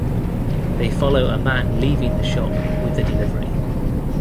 They follow a man leaving the shop with a delivery.